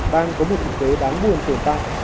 đang có một kỳ kế đáng buồn tuyển tại